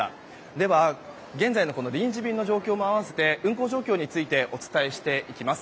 では、現在の臨時便の様子も併せて運航状況についてお伝えします。